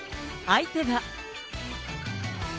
相手は。